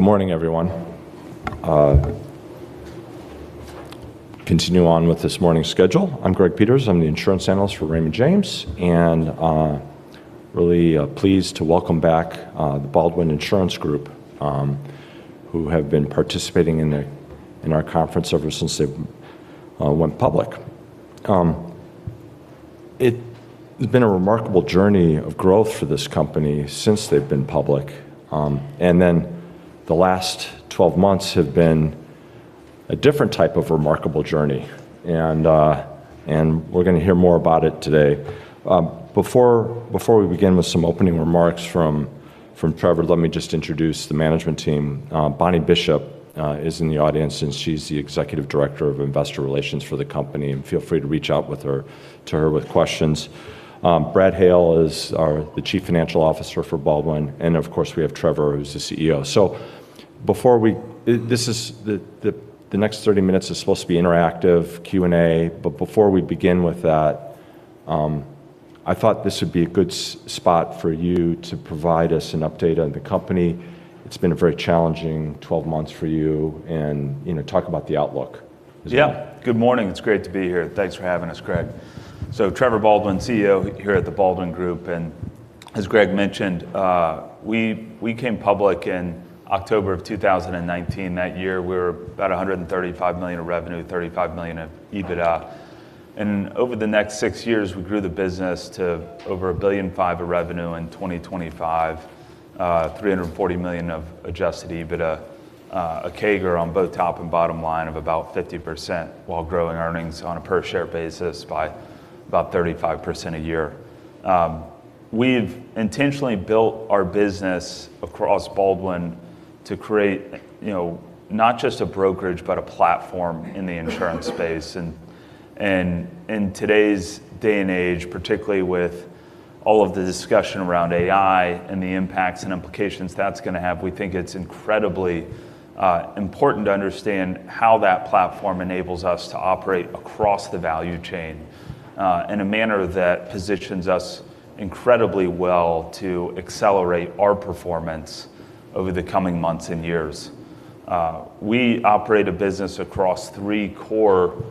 Good morning everyone. Continue on with this morning's schedule. I'm Greg Peters. I'm the insurance analyst for Raymond James, and really pleased to welcome back the Baldwin Insurance Group, who have been participating in the, in our conference ever since they went public. It has been a remarkable journey of growth for this company since they've been public. The last 12 months have been a different type of remarkable journey and we're gonna hear more about it today. Before we begin with some opening remarks from Trevor, let me just introduce the management team. Bonnie Bishop is in the audience, and she's the Executive Director of Investor Relations for the company, and feel free to reach out with her, to her with questions. Brad Hale is our, the Chief Financial Officer for Baldwin, and of course, we have Trevor, who's the CEO. This is the next 30 minutes is supposed to be interactive Q&A, but before we begin with that, I thought this would be a good spot for you to provide us an update on the company. It's been a very challenging 12 months for you and, you know, talk about the outlook as well. Yeah. Good morning. It's great to be here. Thanks for having us, Greg. Trevor Baldwin, CEO here at The Baldwin Group, and as Greg mentioned, we came public in October of 2019. That year, we were about $135 million of revenue, $35 million of EBITDA. Over the next 6 years, we grew the business to over $1.5 billion of revenue in 2025, $340 million of adjusted EBITDA, a CAGR on both top and bottom line of about 50% while growing earnings on a per-share basis by about 35% a year. We've intentionally built our business across Baldwin to create, you know, not just a brokerage, but a platform in the insurance space. In today's day and age, particularly with all of the discussion around AI and the impacts and implications that's gonna have, we think it's incredibly important to understand how that platform enables us to operate across the value chain in a manner that positions us incredibly well to accelerate our performance over the coming months and years. We operate a business across three core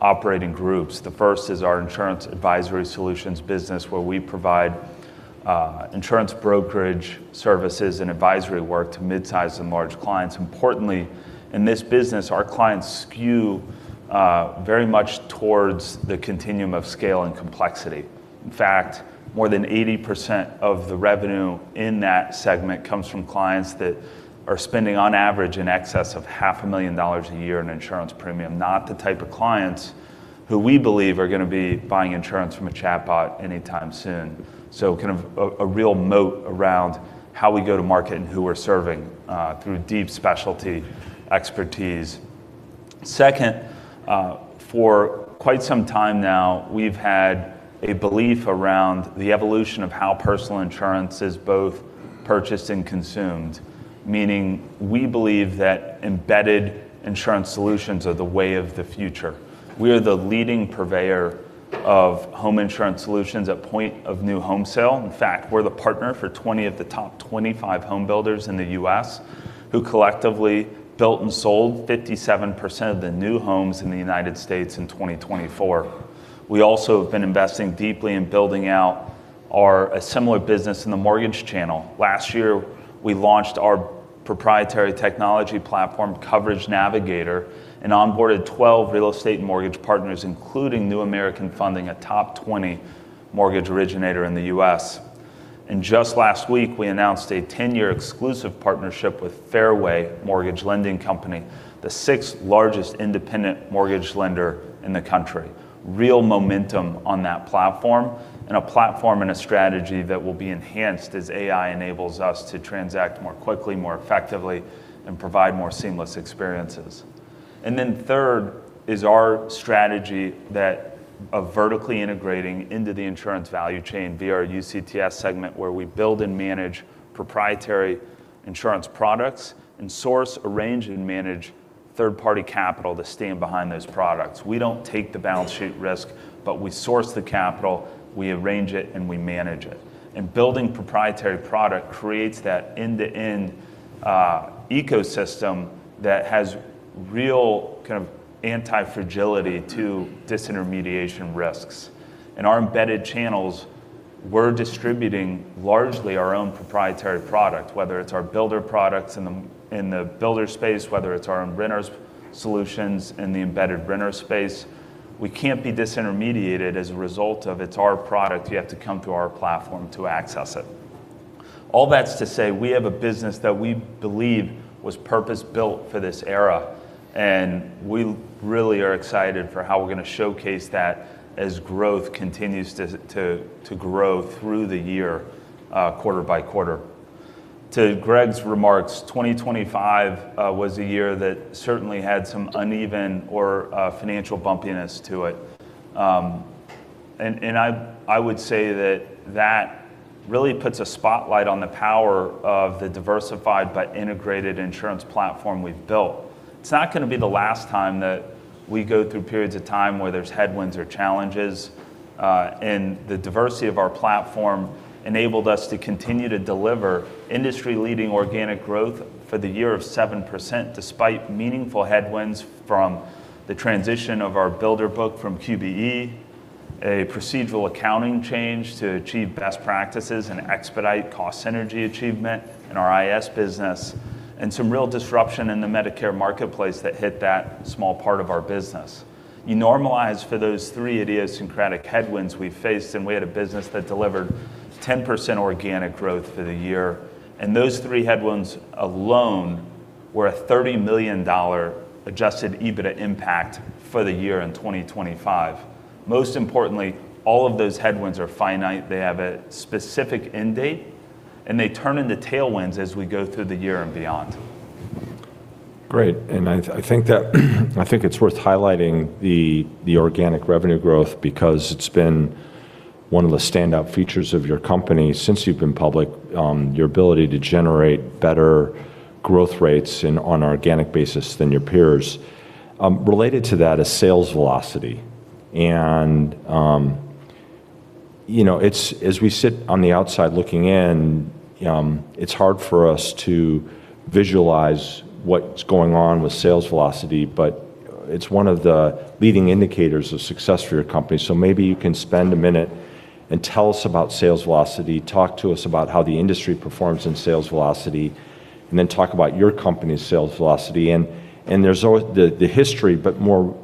operating groups. The first is our Insurance Advisory Solutions business, where we provide insurance brokerage services and advisory work to midsize and large clients. Importantly, in this business, our clients skew very much towards the continuum of scale and complexity. In fact, more than 80% of the revenue in that segment comes from clients that are spending, on average, in excess of half a million dollars a year in insurance premium, not the type of clients who we believe are gonna be buying insurance from a chatbot anytime soon. Kind of a real moat around how we go to market and who we're serving through deep specialty expertise. Second, for quite some time now, we've had a belief around the evolution of how personal insurance is both purchased and consumed, meaning we believe that embedded insurance solutions are the way of the future. We are the leading purveyor of home insurance solutions at point of new home sale. In fact, we're the partner for 20 of the top 25 home builders in the U.S. who collectively built and sold 57% of the new homes in the U.S. in 2024. We also have been investing deeply in building out our similar business in the mortgage channel. Last year, we launched our proprietary technology platform, Coverage Navigator, and onboarded 12 real estate mortgage partners, including New American Funding, a top 20 mortgage originator in the U.S. Just last week, we announced a 10-year exclusive partnership with Fairway Mortgage Lending Company, the sixth largest independent mortgage lender in the country. Real momentum on that platform, a platform and a strategy that will be enhanced as AI enables us to transact more quickly, more effectively, and provide more seamless experiences. Third is our strategy that of vertically integrating into the insurance value chain via our UCTS segment, where we build and manage proprietary insurance products and source, arrange, and manage third-party capital to stand behind those products. We don't take the balance sheet risk, but we source the capital, we arrange it, and we manage it. Building proprietary product creates that end-to-end ecosystem that has real kind of anti-fragility to disintermediation risks. In our embedded channels, we're distributing largely our own proprietary product, whether it's our builder products in the, in the builder space, whether it's our own renters solutions in the embedded renter space. We can't be disintermediated as a result of it's our product. You have to come to our platform to access it. All that's to say, we have a business that we believe was purpose-built for this era, and we really are excited for how we're gonna showcase that as growth continues to grow through the year, quarter by quarter. To Greg's remarks, 2025 was a year that certainly had some uneven or financial bumpiness to it. I would say that that really puts a spotlight on the power of the diversified but integrated insurance platform we've built. It's not gonna be the last time that we go through periods of time where there's headwinds or challenges. The diversity of our platform enabled us to continue to deliver industry-leading organic growth for the year of 7% despite meaningful headwinds from the transition of our builder book from QBE, a procedural accounting change to achieve best practices and expedite cost synergy achievement in our IS business, and some real disruption in the Medicare marketplace that hit that small part of our business. You normalize for those three idiosyncratic headwinds we faced, and we had a business that delivered 10% organic growth for the year. Those three headwinds alone were a $30 million adjusted EBITDA impact for the year in 2025. Most importantly, all of those headwinds are finite, they have a specific end date, and they turn into tailwinds as we go through the year and beyond. Great. I think that I think it's worth highlighting the organic revenue growth because it's been one of the standout features of your company since you've been public, your ability to generate better growth rates on organic basis than your peers. Related to that is sales velocity. You know, as we sit on the outside looking in, it's hard for us to visualize what's going on with sales velocity, but it's one of the leading indicators of success for your company. Maybe you can spend a minute and tell us about sales velocity, talk to us about how the industry performs in sales velocity, and then talk about your company's sales velocity. There's the history, but more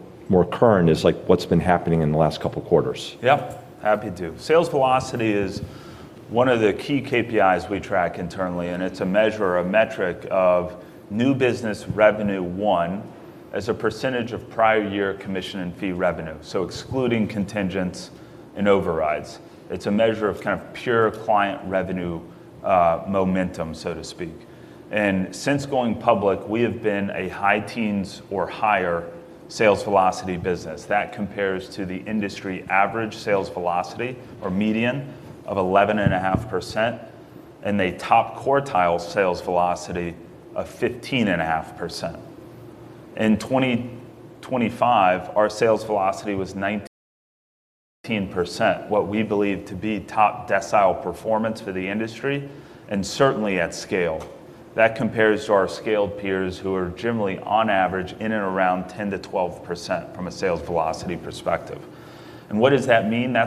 current is, like, what's been happening in the last couple quarters. Yep. Happy to. Sales velocity is one of the key KPIs we track internally, and it's a measure or a metric of new business revenue, 1, as a percentage of prior year commission and fee revenue, so excluding contingents and overrides. It's a measure of kind of pure client revenue, momentum, so to speak. Since going public, we have been a high teens or higher sales velocity business. That compares to the industry average sales velocity or median of 11.5%, and a top quartile sales velocity of 15.5%. In 2025, our sales velocity was 19%, what we believe to be top decile performance for the industry, and certainly at scale. That compares to our scaled peers who are generally on average in and around 10%-12% from a sales velocity perspective. What does that mean?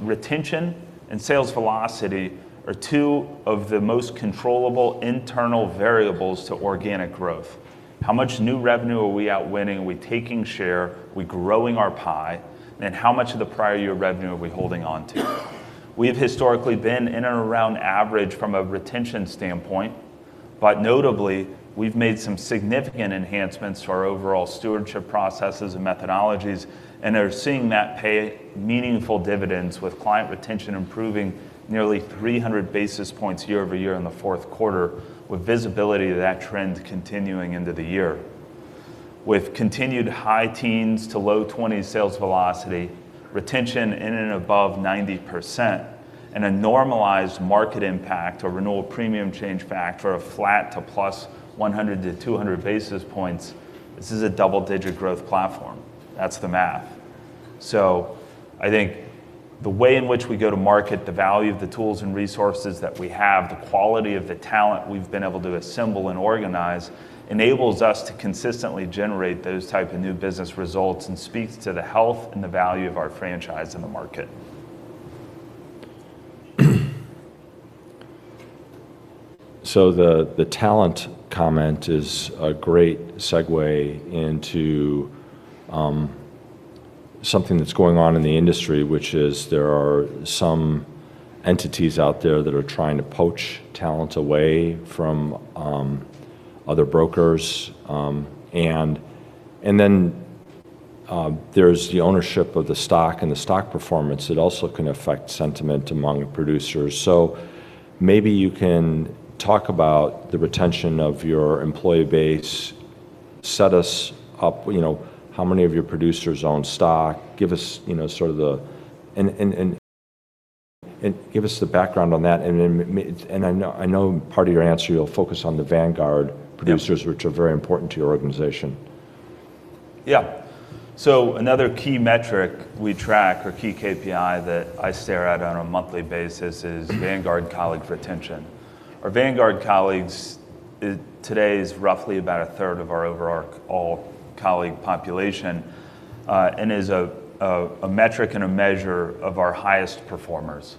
Retention and sales velocity are two of the most controllable internal variables to organic growth. How much new revenue are we out winning? Are we taking share? Are we growing our pie? How much of the prior year revenue are we holding on to? We have historically been in and around average from a retention standpoint. Notably, we've made some significant enhancements to our overall stewardship processes and methodologies and are seeing that pay meaningful dividends, with client retention improving nearly 300 basis points year-over-year in the fourth quarter, with visibility to that trend continuing into the year. With continued high teens to low 20s sales velocity, retention in and above 90%, and a normalized market impact or renewal premium change factor of flat to +100 to 200 basis points, this is a double-digit growth platform. That's the math. I think the way in which we go to market, the value of the tools and resources that we have, the quality of the talent we've been able to assemble and organize enables us to consistently generate those type of new business results and speaks to the health and the value of our franchise in the market. The talent comment is a great segue into something that's going on in the industry, which is there are some entities out there that are trying to poach talent away from other brokers. And then, there's the ownership of the stock and the stock performance that also can affect sentiment among producers. Maybe you can talk about the retention of your employee base. Set us up, you know, how many of your producers own stock. Give us, you know, sort of the. Give us the background on that. And I know part of your answer you'll focus on the Vanguard producers. Yeah which are very important to your organization. Another key KPI that I stare at on a monthly basis is Vanguard colleague retention. Our Vanguard colleagues today is roughly about a third of our overall colleague population, and is a metric and a measure of our highest performers.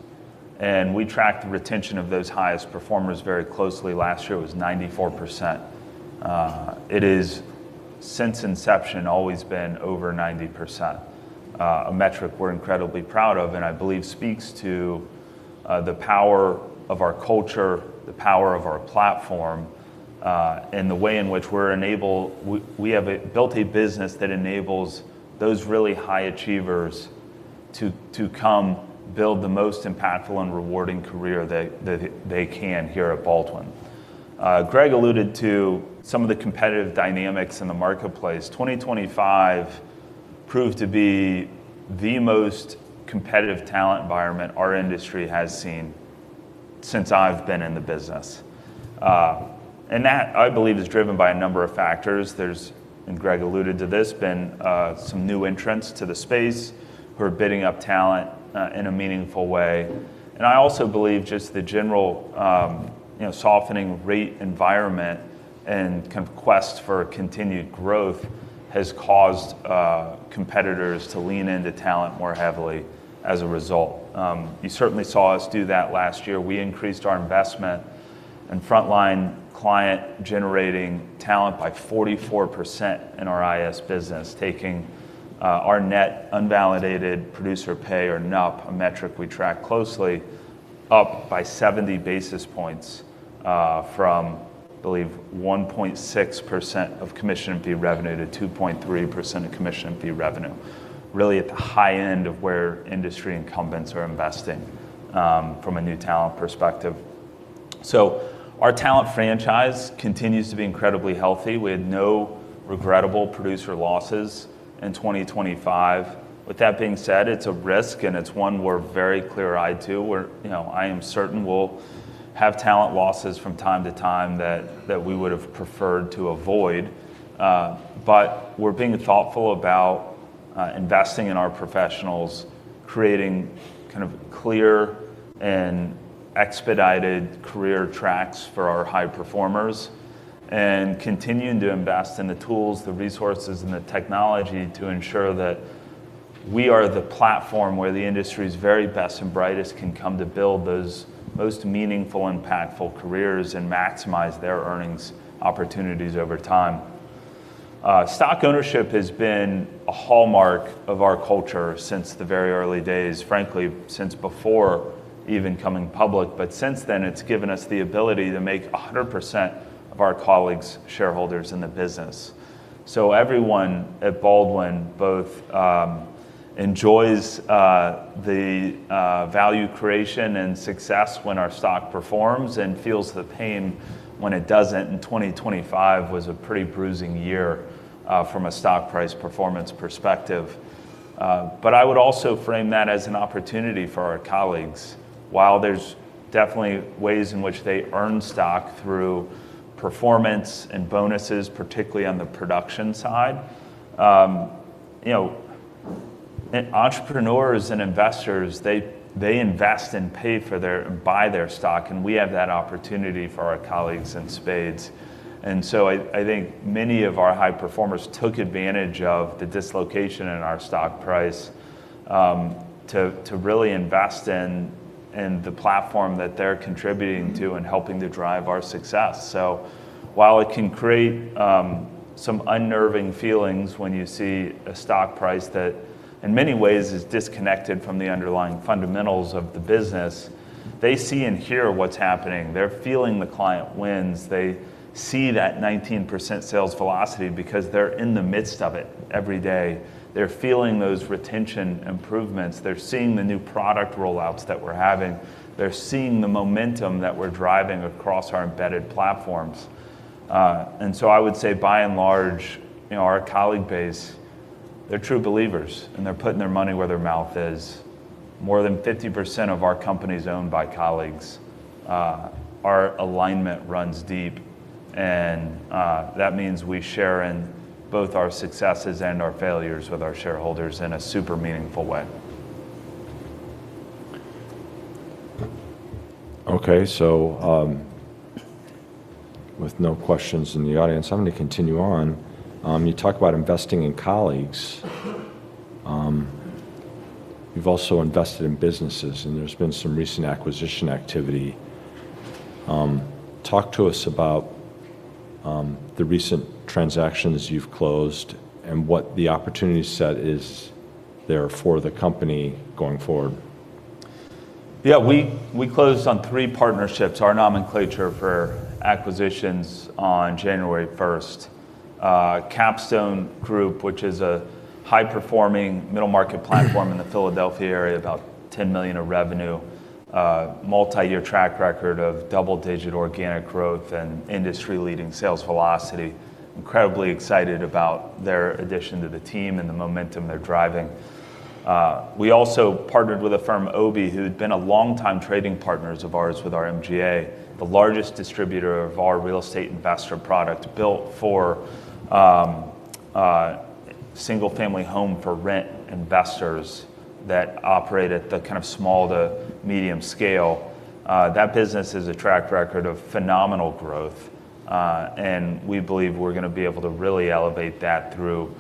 We track the retention of those highest performers very closely. Last year it was 94%. It is since inception always been over 90%. A metric we're incredibly proud of and I believe speaks to the power of our culture, the power of our platform, and the way in which we have built a business that enables those really high achievers to come build the most impactful and rewarding career that they can here at Baldwin. Greg alluded to some of the competitive dynamics in the marketplace. 2025 proved to be the most competitive talent environment our industry has seen. Since I've been in the business. That, I believe, is driven by a number of factors. There's, Greg alluded to this, been some new entrants to the space who are bidding up talent in a meaningful way. I also believe just the general, you know, softening rate environment and kind of quest for continued growth has caused competitors to lean into talent more heavily as a result. You certainly saw us do that last year. We increased our investment in frontline client-generating talent by 44% in our IS business, taking our net unvalidated producer pay, or NUP, a metric we track closely, up by 70 basis points from, I believe, 1.6% of commission and fee revenue to 2.3% of commission and fee revenue. Really at the high end of where industry incumbents are investing from a new talent perspective. Our talent franchise continues to be incredibly healthy. We had no regrettable producer losses in 2025. With that being said, it's a risk, and it's one we're very clear-eyed to, where, you know, I am certain we'll have talent losses from time to time that we would have preferred to avoid. We're being thoughtful about investing in our professionals, creating kind of clear and expedited career tracks for our high performers, and continuing to invest in the tools, the resources, and the technology to ensure that we are the platform where the industry's very best and brightest can come to build those most meaningful, impactful careers and maximize their earnings opportunities over time. Stock ownership has been a hallmark of our culture since the very early days, frankly, since before even coming public. Since then, it's given us the ability to make 100% of our colleagues shareholders in the business. Everyone at Baldwin both enjoys the value creation and success when our stock performs and feels the pain when it doesn't, and 2025 was a pretty bruising year from a stock price performance perspective. I would also frame that as an opportunity for our colleagues. While there's definitely ways in which they earn stock through performance and bonuses, particularly on the production side, you know, entrepreneurs and investors, they invest and buy their stock, and we have that opportunity for our colleagues in spades. I think many of our high performers took advantage of the dislocation in our stock price to really invest in the platform that they're contributing to and helping to drive our success. While it can create some unnerving feelings when you see a stock price that in many ways is disconnected from the underlying fundamentals of the business, they see and hear what's happening. They're feeling the client wins. They see that 19% sales velocity because they're in the midst of it every day. They're feeling those retention improvements. They're seeing the new product rollouts that we're having. They're seeing the momentum that we're driving across our embedded platforms. I would say by and large, you know, our colleague base, they're true believers, and they're putting their money where their mouth is. More than 50% of our company is owned by colleagues. Our alignment runs deep, that means we share in both our successes and our failures with our shareholders in a super meaningful way. Okay. With no questions in the audience, I'm gonna continue on. You talk about investing in colleagues. You've also invested in businesses, and there's been some recent acquisition activity. Talk to us about the recent transactions you've closed and what the opportunity set is there for the company going forward. We closed on 3 partnerships, our nomenclature for acquisitions on January 1st. Capstone Group, which is a high-performing middle-market platform in the Philadelphia area, about $10 million of revenue, multiyear track record of double-digit organic growth and industry-leading sales velocity. Incredibly excited about their addition to the team and the momentum they're driving. We also partnered with a firm, Obie, who had been a longtime trading partners of ours with our MGA, the largest distributor of our real estate investor product built for single-family home for rent investors that operate at the kind of small to medium scale. That business is a track record of phenomenal growth, and we believe we're gonna be able to really elevate that through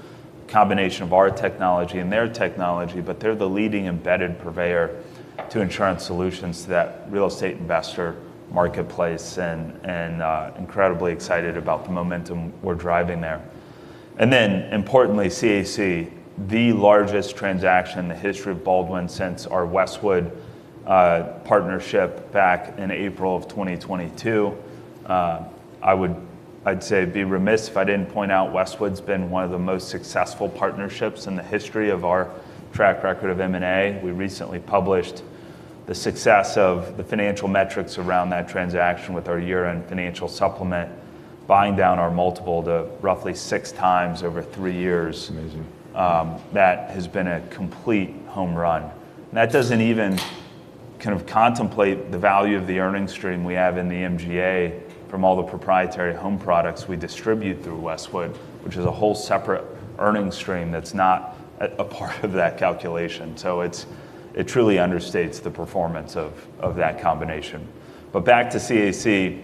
combination of our technology and their technology. They're the leading embedded purveyor to insurance solutions to that real estate investor marketplace, incredibly excited about the momentum we're driving there. Importantly, CAC, the largest transaction in the history of Baldwin since our Westwood partnership back in April of 2022. I'd say it'd be remiss if I didn't point out Westwood's been one of the most successful partnerships in the history of our track record of M&A. We recently published the success of the financial metrics around that transaction with our year-end financial supplement. Buying down our multiple to roughly 6x over three years. Amazing. That has been a complete home run. That doesn't even kind of contemplate the value of the earning stream we have in the MGA from all the proprietary home products we distribute through Westwood, which is a whole separate earning stream that's not a part of that calculation. It truly understates the performance of that combination. Back to CAC.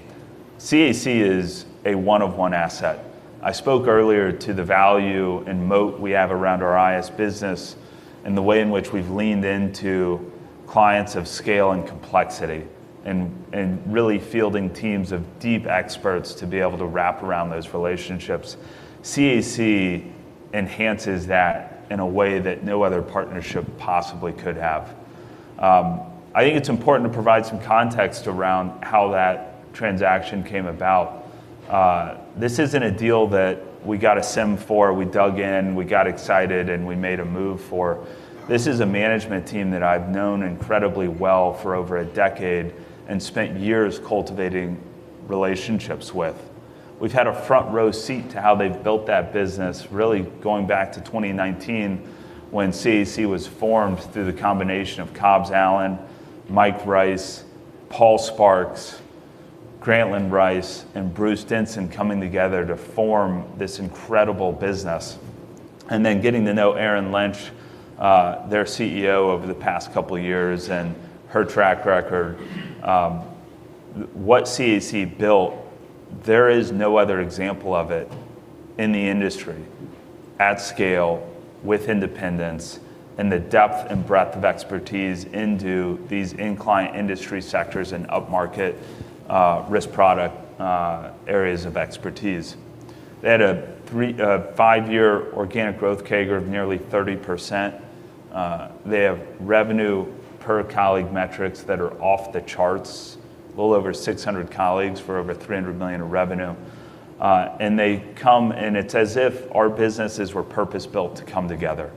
CAC is a one of one asset. I spoke earlier to the value and moat we have around our IS business and the way in which we've leaned into clients of scale and complexity and really fielding teams of deep experts to be able to wrap around those relationships. CAC enhances that in a way that no other partnership possibly could have. I think it's important to provide some context around how that transaction came about. This isn't a deal that we got a SIM for, we dug in, we got excited, and we made a move for. This is a management team that I've known incredibly well for over a decade and spent years cultivating relationships with. We've had a front row seat to how they've built that business, really going back to 2019 when CAC was formed through the combination of Cobbs Allen, Mike Rice, Paul Sparks, Grantland Rice, and Bruce Denson coming together to form this incredible business. Then getting to know Erin Lynch, their CEO, over the past couple of years and her track record. What CAC built, there is no other example of it in the industry at scale with independence and the depth and breadth of expertise into these end client industry sectors and upmarket, risk product, areas of expertise. They had a five-year organic growth CAGR of nearly 30%. They have revenue per colleague metrics that are off the charts. A little over 600 colleagues for over $300 million of revenue. They come, and it's as if our businesses were purpose-built to come together.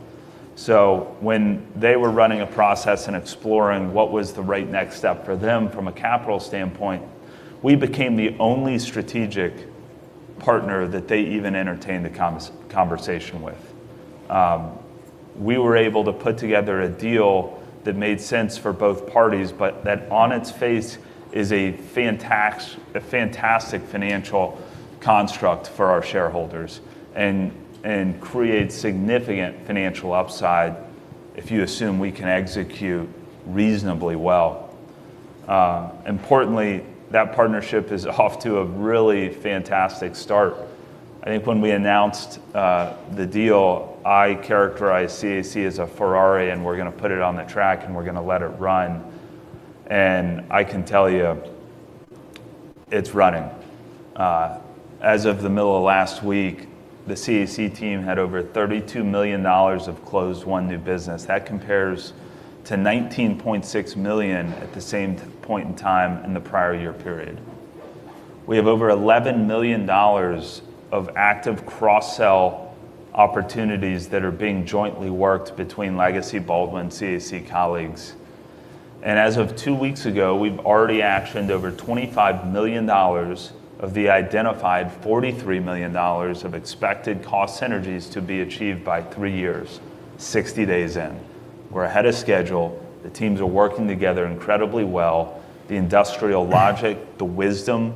When they were running a process and exploring what was the right next step for them from a capital standpoint, we became the only strategic partner that they even entertained the conversation with. We were able to put together a deal that made sense for both parties, but that on its face is a fantastic financial construct for our shareholders and creates significant financial upside if you assume we can execute reasonably well. Importantly, that partnership is off to a really fantastic start. I think when we announced the deal, I characterized CAC as a Ferrari, and we're gonna put it on the track, and we're gonna let it run. I can tell you it's running. As of the middle of last week, the CAC team had over $32 million of closed one new business. That compares to $19.6 million at the same point in time in the prior year period. We have over $11 million of active cross-sell opportunities that are being jointly worked between Legacy Baldwin CAC colleagues. As of two weeks ago, we've already actioned over $25 million of the identified $43 million of expected cost synergies to be achieved by three years, 60 days in. We're ahead of schedule. The teams are working together incredibly well. The industrial logic, the wisdom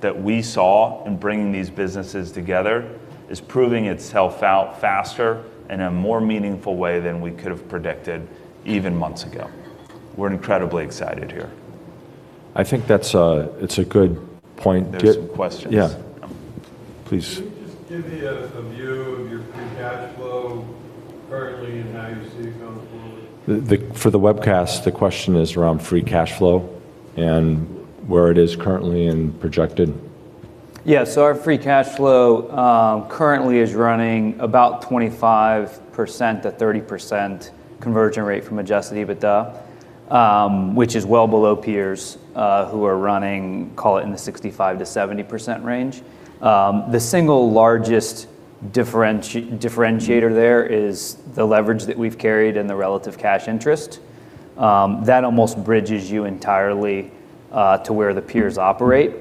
that we saw in bringing these businesses together is proving itself out faster in a more meaningful way than we could have predicted even months ago. We're incredibly excited here. I think that's it's a good point. There's some questions. Yeah. Please. Can you just give me a view of your free cash flow currently and how you see it going forward? For the webcast, the question is around free cash flow and where it is currently and projected. Yeah. Our free cash flow, currently is running about 25%-30% conversion rate from adjusted EBITDA, which is well below peers, who are running, call it, in the 65%-70% range. The single largest differentiator there is the leverage that we've carried and the relative cash interest. That almost bridges you entirely, to where the peers operate.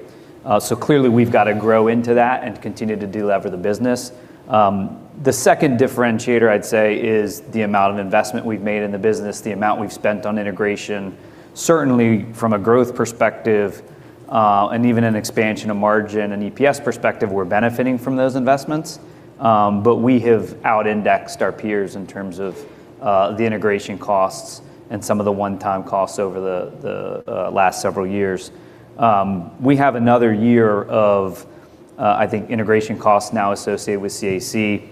Clearly we've got to grow into that and continue to delever the business. The second differentiator I'd say is the amount of investment we've made in the business, the amount we've spent on integration. Certainly from a growth perspective, and even an expansion of margin and EPS perspective, we're benefiting from those investments. We have outindexed our peers in terms of the integration costs and some of the one-time costs over the last several years. We have another year of I think integration costs now associated with CAC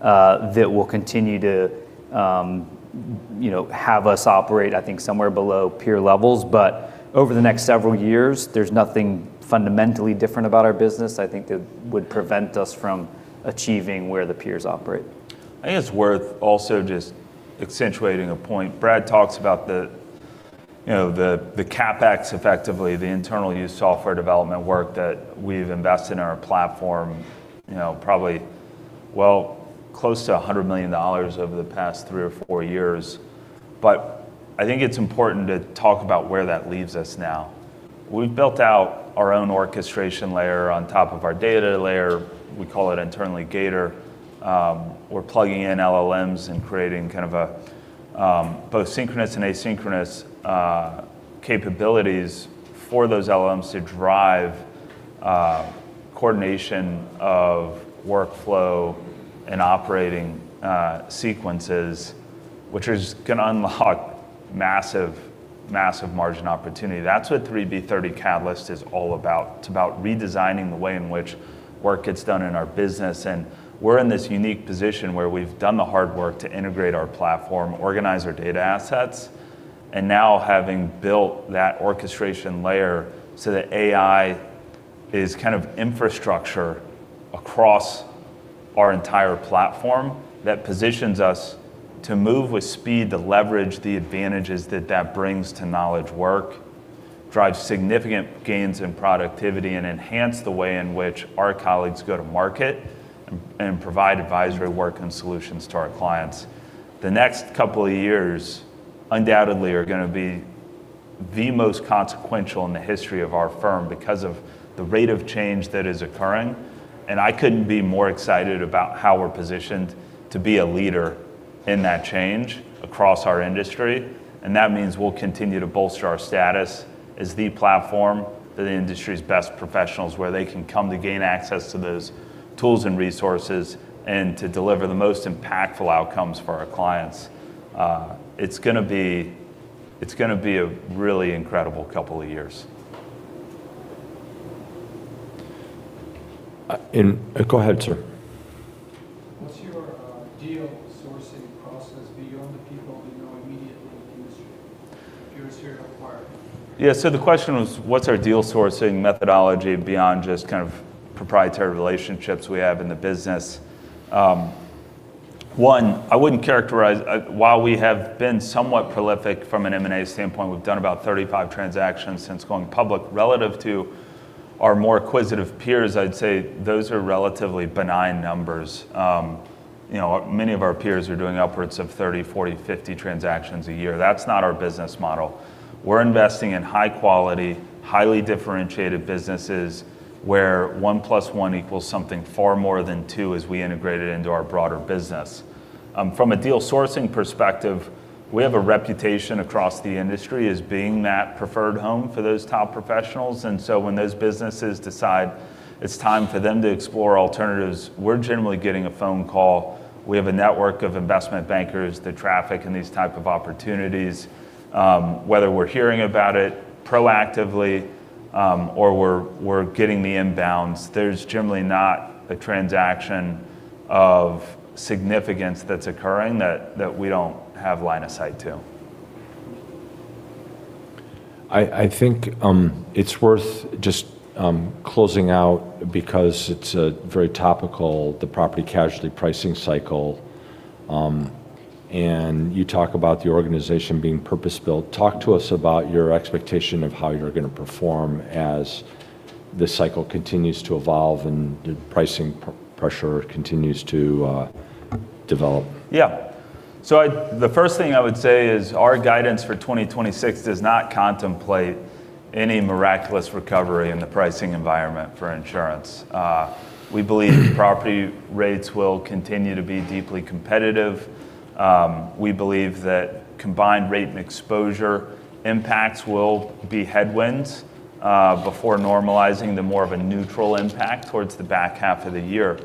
that will continue to, you know, have us operate I think somewhere below peer levels. Over the next several years, there's nothing fundamentally different about our business, I think, that would prevent us from achieving where the peers operate. I think it's worth also just accentuating a point. Brad talks about the, you know, the CapEx effectively, the internal use software development work that we've invested in our platform, you know, close to $100 million over the past 3 or 4 years. I think it's important to talk about where that leaves us now. We've built out our own orchestration layer on top of our data layer. We call it internally Gator. We're plugging in LLMs and creating kind of a both synchronous and asynchronous capabilities for those LLMs to drive coordination of workflow and operating sequences which is gonna unlock massive margin opportunity. That's what 3B30 Catalyst is all about. It's about redesigning the way in which work gets done in our business. We're in this unique position where we've done the hard work to integrate our platform, organize our data assets, and now having built that orchestration layer so that AI is kind of infrastructure across our entire platform that positions us to move with speed to leverage the advantages that that brings to knowledge work, drive significant gains in productivity, and enhance the way in which our colleagues go to market and provide advisory work and solutions to our clients. The next couple of years undoubtedly are gonna be the most consequential in the history of our firm because of the rate of change that is occurring, and I couldn't be more excited about how we're positioned to be a leader in that change across our industry. That means we'll continue to bolster our status as the platform for the industry's best professionals, where they can come to gain access to those tools and resources and to deliver the most impactful outcomes for our clients. It's gonna be a really incredible couple of years. Go ahead, sir. What's your deal sourcing process beyond the people we know immediately in the industry, if you was here to acquire? Yeah. The question was, what's our deal sourcing methodology beyond just kind of proprietary relationships we have in the business? One, while we have been somewhat prolific from an M&A standpoint, we've done about 35 transactions since going public. Relative to our more acquisitive peers, I'd say those are relatively benign numbers. You know, many of our peers are doing upwards of 30, 40, 50 transactions a year. That's not our business model. We're investing in high quality, highly differentiated businesses where 1 plus 1 equals something far more than 2 as we integrate it into our broader business. From a deal sourcing perspective, we have a reputation across the industry as being that preferred home for those top professionals. When those businesses decide it's time for them to explore alternatives, we're generally getting a phone call. We have a network of investment bankers that traffic in these type of opportunities. Whether we're hearing about it proactively, or we're getting the inbounds, there's generally not a transaction of significance that's occurring that we don't have line of sight to. I think it's worth just closing out because it's very topical, the property casualty pricing cycle, and you talk about the organization being purpose-built. Talk to us about your expectation of how you're gonna perform as this cycle continues to evolve and the pricing pressure continues to develop? The first thing I would say is our guidance for 2026 does not contemplate any miraculous recovery in the pricing environment for insurance. We believe property rates will continue to be deeply competitive. We believe that combined rate and exposure impacts will be headwinds before normalizing to more of a neutral impact towards the back half of the year.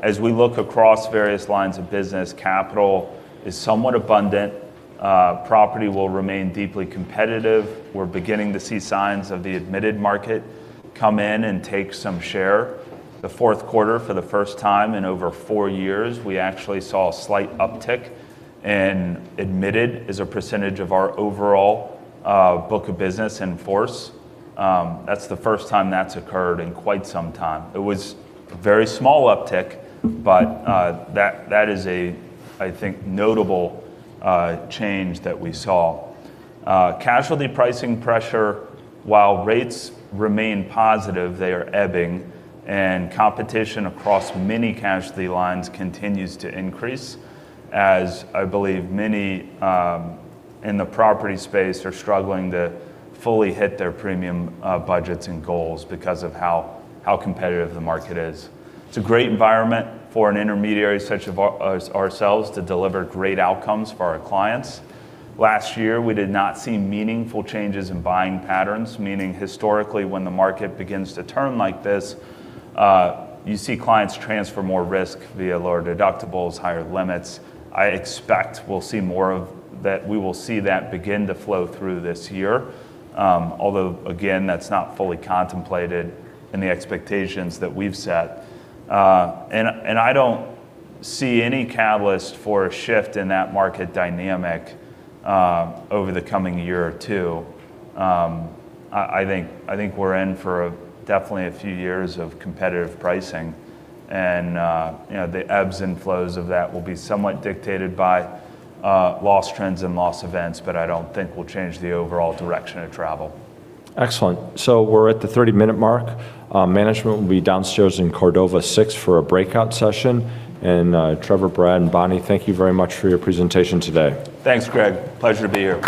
As we look across various lines of business, capital is somewhat abundant. Property will remain deeply competitive. We're beginning to see signs of the admitted market come in and take some share. The fourth quarter, for the first time in over four years, we actually saw a slight uptick in admitted as a percentage of our overall book of business in force. That's the first time that's occurred in quite some time. It was a very small uptick, but that is a, I think, notable change that we saw. Casualty pricing pressure, while rates remain positive, they are ebbing, and competition across many casualty lines continues to increase, as I believe many in the property space are struggling to fully hit their premium budgets and goals because of how competitive the market is. It's a great environment for an intermediary such as ourselves to deliver great outcomes for our clients. Last year, we did not see meaningful changes in buying patterns, meaning historically, when the market begins to turn like this, you see clients transfer more risk via lower deductibles, higher limits. I expect we'll see more of that we will see that begin to flow through this year. Although, again, that's not fully contemplated in the expectations that we've set. I don't see any catalyst for a shift in that market dynamic, over the coming year or 2. I think we're in for definitely a few years of competitive pricing. You know, the ebbs and flows of that will be somewhat dictated by, loss trends and loss events, but I don't think will change the overall direction of travel. Excellent. We're at the 30-minute mark. Management will be downstairs in Cordova Six for a breakout session. Trevor, Brad, and Bonnie, thank you very much for your presentation today. Thanks, Greg. Pleasure to be here.